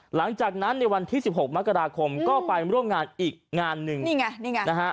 หลังจากนั้นในวันที่สิบหกมักกระดาษคมอืมก็ไปร่วมงานอีกงานนึง